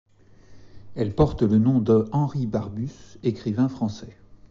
Elle porte le nom de Henri Barbusse, écrivain français.